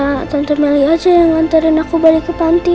minta tante meli aja yang nganterin aku balik ke panti